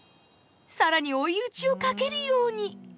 更に追い打ちをかけるように。